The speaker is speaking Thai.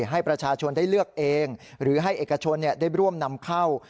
ให้ประชาชนได้เลือกเองหรือให้เอกชนได้ร่วมนำเข้า